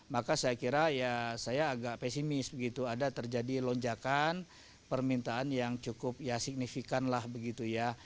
maka saya kira ya saya agak pesimis begitu ada terjadi lonjakan permintaan yang cukup ya signifikan lah begitu ya